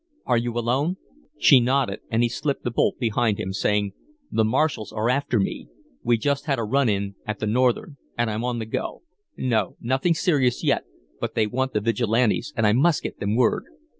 "Are you alone?" She nodded, and he slipped the bolt behind him, saying: "The marshals are after me. We just had a 'run in' at the Northern, and I'm on the go. No nothing serious yet, but they want the Vigilantes, and I must get them word.